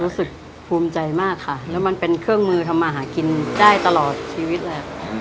รู้สึกภูมิใจมากค่ะแล้วมันเป็นเครื่องมือทำมาหากินได้ตลอดชีวิตเลย